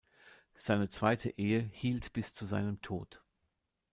Seine zweite Ehe hielt bis zu seinem Tod.